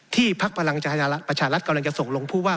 ที่พลักษณ์พระรางสาธารณะกำลังจะส่งลงผู้ว่า